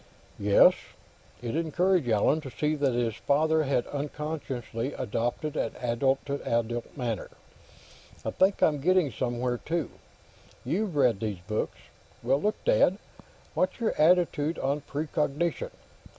"Yes." It encouraged Allan to see that his father had unconsciously adopted an adult to adult manner. "I think I'm getting somewhere, too. You've read these books? Well, look, Dad; what's your attitude on precognition?